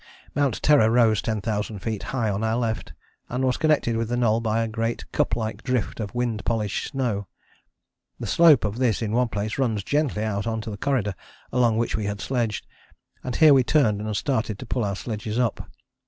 Mount Terror rose ten thousand feet high on our left, and was connected with the Knoll by a great cup like drift of wind polished snow. The slope of this in one place runs gently out on to the corridor along which we had sledged, and here we turned and started to pull our sledges up.